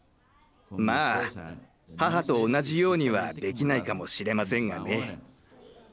まあ母と同じようにはできないかもしれませんがね。